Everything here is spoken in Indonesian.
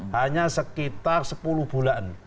hanya sekitar sepuluh bulan